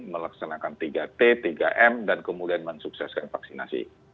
melaksanakan tiga t tiga m dan kemudian mensukseskan vaksinasi